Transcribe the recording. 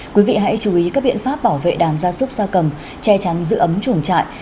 quý vị hãy chú ý các biện pháp bảo vệ đàn ra súc ra cầm che trắng giữ ấm chuồng trại